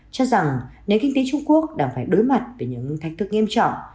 khiến trung quốc đang phải đối mặt với những thách thức nghiêm trọng